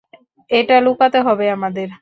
এটা লুকাতে হবে আমাদের।